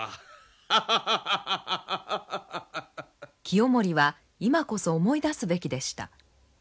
清盛は今こそ思い出すべきでした。